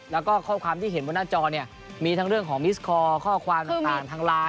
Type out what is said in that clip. แล้วก็ข้อความที่เห็นบนหน้าจอเนี่ยมีทั้งเรื่องของมิสคอร์ข้อความต่างทางไลน์